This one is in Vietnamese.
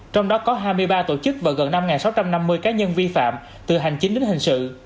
trong đó có hai mươi ba tổ chức và gần năm sáu trăm năm mươi cá nhân vi phạm từ hành chính đến hình sự